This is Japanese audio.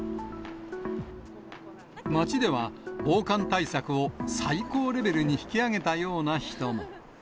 街では、防寒対策を最高レベルに引き上げたような人も。